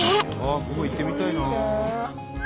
ここ行ってみたいなあ。